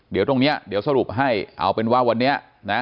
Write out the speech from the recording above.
เดี๋ยวตรงนี้เดี๋ยวสรุปให้เอาเป็นว่าวันนี้นะ